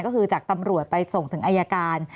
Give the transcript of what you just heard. ก็คือจากตำรวจไปส่งถึงอายการ